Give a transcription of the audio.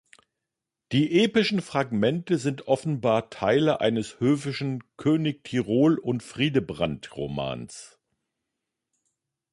Die epischen Fragmente sind offenbar Teile eines höfischen König-Tirol und Fridebrant-Romans.